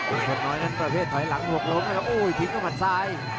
คนน้อยนั้นประเภทถอยหลังหกล้มนะครับโอ้ยทิ้งเข้าหมัดซ้าย